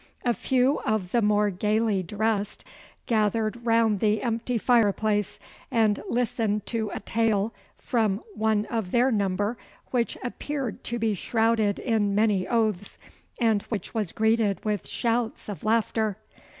A few of the more gaily dressed gathered round the empty fireplace, and listened to a tale from one of their number which appeared to be shrouded in many oaths, and which was greeted with shouts of laughter.